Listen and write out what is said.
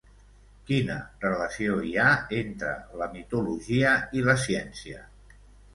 Quina relació hi ha entre la mitologia i la ciència?